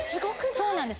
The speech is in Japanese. そうなんです